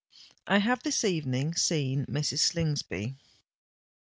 I have this evening seen Mrs. Slingsby."